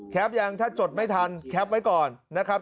ยังถ้าจดไม่ทันแคปไว้ก่อนนะครับ